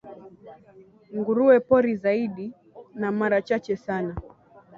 nguruwe pori zaidi na mara chache sana